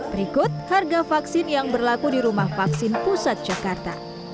berikut harga vaksin yang berlaku di rumah vaksin pusat jakarta